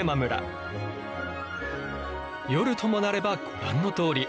夜ともなればご覧のとおり。